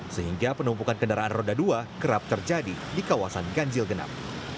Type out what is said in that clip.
sehingga penumpukan kendaraan roda dua kerap terjadi di kawasan ganjil genap